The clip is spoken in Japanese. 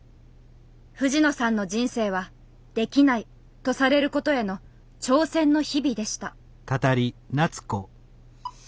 藤野さんの人生は「できない」とされることへの挑戦の日々でした。